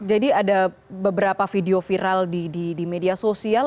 jadi ada beberapa video viral di media sosial